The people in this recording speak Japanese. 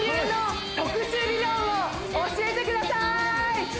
教えてくださーい！